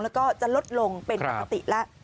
แล้วก็จะลดลงเป็นปกติแล้ว